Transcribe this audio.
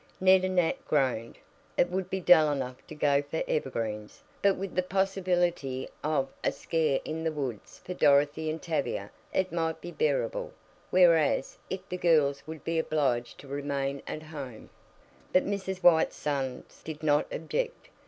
Ned and Nat groaned. It would be dull enough to go for evergreens, but with the possibility of "a scare in the woods" for Dorothy and Tavia it might be bearable, whereas, if the girls would be obliged to remain at home But Mrs. White's sons did not object.